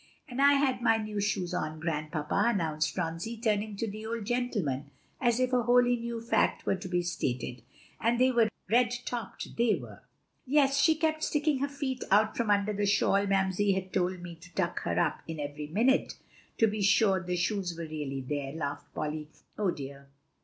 "And I had my new shoes on, Grandpapa," announced Phronsie, turning to the old gentleman as if a wholly new fact were to be stated; "and they were red topped, they were!" "Yes, she kept sticking her feet out from under the shawl Mamsie had told me to tuck her up in every minute, to be sure the shoes were really there," laughed Polly. "Oh, dear!